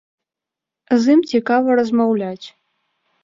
З ім цікава размаўляць.